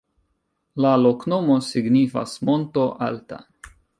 La loknomo signifas: monto-alta.